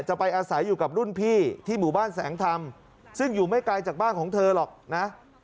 จะไปอาศัยอยู่กับรุ่นพี่ที่หมู่บ้านแสงธรรมซึ่งอยู่ไม่ไกลจากบ้านของเธอหรอกนะ